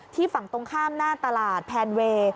ฝั่งตรงข้ามหน้าตลาดแพนเวย์